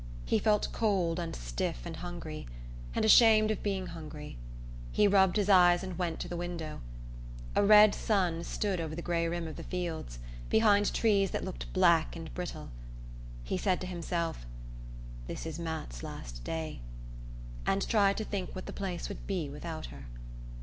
He felt cold and stiff and hungry, and ashamed of being hungry. He rubbed his eyes and went to the window. A red sun stood over the grey rim of the fields, behind trees that looked black and brittle. He said to himself: "This is Matt's last day," and tried to think what the place would be without her.